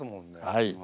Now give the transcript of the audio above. はい。